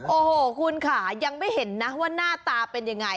โอ้โหคุณค่ะยังไม่เห็นนะว่าหน้าตาเป็นยังไง